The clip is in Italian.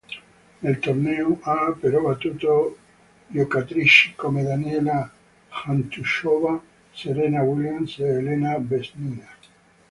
Nel torneo ha però battuto giocatrici come Daniela Hantuchová, Serena Williams e Elena Vesnina.